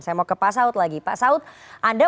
saya mau ke pak saud lagi pak saud anda